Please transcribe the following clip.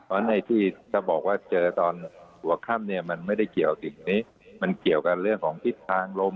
เพราะฉะที่จะบอกว่าเจอตอนหัวค่ำเนี่ยมันไม่ได้เกี่ยวสิ่งนี้มันเกี่ยวกับเรื่องของทิศทางลม